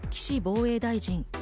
防衛大臣。